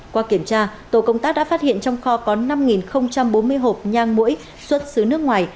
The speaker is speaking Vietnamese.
qua kiểm tra tổ công tác đã phát hiện trong kho có năm bốn mươi hộp nhang mũi xuất xứ nước ngoài